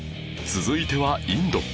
続いてはインド